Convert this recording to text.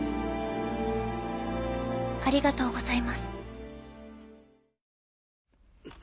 ありがとうございます。